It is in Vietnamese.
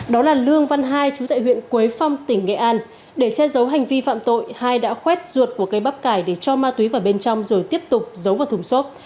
đó là lương văn hai chú tại huyện quế phong tỉnh nghệ an để che giấu hành vi phạm tội hai đã khuét ruột của cây bắp cải để cho ma túy vào bên trong rồi tiếp tục giấu vào thùng xốp